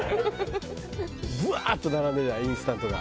ブワーッと並んでるじゃないインスタントが。